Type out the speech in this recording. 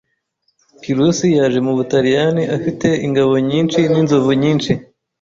Pyrhus yaje mu Butaliyani afite ingabo nyinshi n'inzovu nyinshi.